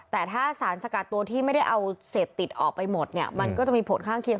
แต่ถ้าสารสกัดตัวที่ไม่ได้เอาเสพติดออกไปหมดเนี่ยมันก็จะมีผลข้างเคียง